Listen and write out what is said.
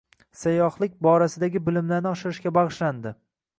Sayyohlik borasidagi bilimlarni oshirishga bag‘ishlandi